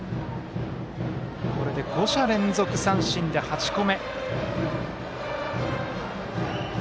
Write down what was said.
これで５者連続三振で８個目。